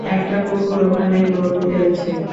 একটা কুকুর ওখানে লোল ফেলেছে।